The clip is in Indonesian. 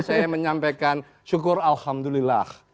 saya menyampaikan syukur alhamdulillah